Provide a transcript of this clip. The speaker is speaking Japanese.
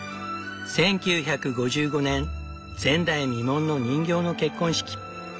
１９５５年前代未聞の人形の結婚式。